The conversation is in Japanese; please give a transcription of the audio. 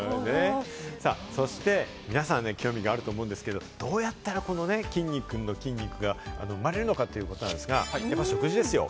そして皆さん興味があると思うんですけれども、どうやったらきんに君の筋肉が生まれるのかということですが、やっぱ食事ですよ。